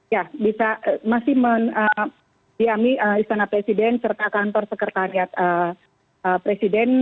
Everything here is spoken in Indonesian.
ya bisa masih mendiami istana presiden serta kantor sekretariat presiden